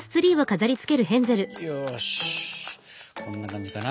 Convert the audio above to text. よしこんな感じかな。